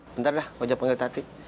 bentar dah ojak panggil tati